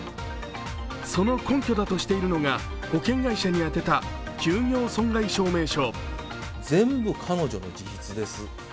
その根拠だとしているのが保険会社に宛てた休業損害証明書。